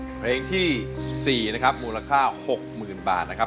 เพลงที่๔นะครับมูลค่า๖๐๐๐บาทนะครับ